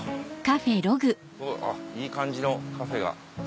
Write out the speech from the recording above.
いい感じのカフェが。